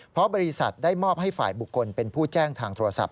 เพราะบริษัทได้มอบให้ฝ่ายบุคคลเป็นผู้แจ้งทางโทรศัพท์